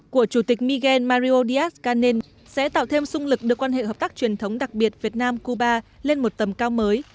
của chủ tịch miguel mario díaz canel sẽ tạo thêm sung lực đưa quan hệ hợp tác truyền thống đặc biệt việt nam cuba lên một tầm cao mới